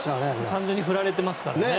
完全に振られてますね。